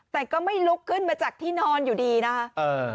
แต่ก็ไม่ลุกขึ้นมาจากที่นอนอยู่ดีนะคะ